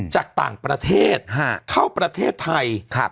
จากต่างประเทศเข้าประเทศไทย